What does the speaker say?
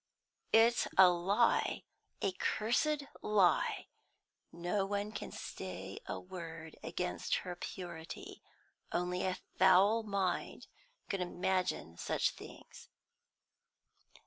"It's a lie, a cursed lie! No one can say a word against her purity. Only a foul mind could imagine such things."